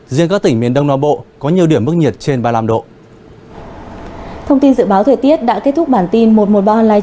riêng các tỉnh miền đông nam bộ có nhiều điểm mức nhiệt trên ba mươi năm độ